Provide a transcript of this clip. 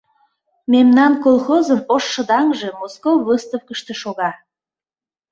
Мемнан колхозын ош шыдаҥже Моско Выставкыште шога.